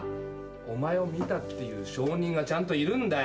お前を見たっていう証人がちゃんといるんだよ。